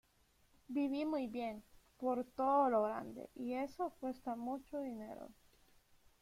Viví muy bien, por todo lo grande, y eso, cuesta mucho dinero".